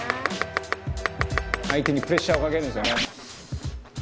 「相手にプレッシャーをかけるんですよね」